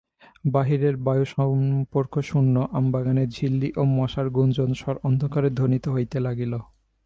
বাহিরের বায়ুসম্পর্কশূন্য আমবাগানে ঝিল্লি ও মশার গুঞ্জনস্বর অন্ধকারে ধ্বনিত হইতে লাগিল।